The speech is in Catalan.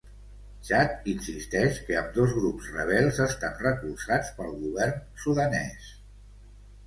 Txad insisteix que ambdós grups rebels estan recolzats pel govern sudanès.